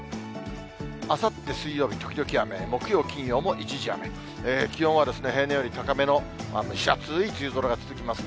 あさって水曜日、時々雨、木曜、金曜も一時雨、気温は平年より高めの蒸し暑い梅雨空が続きます。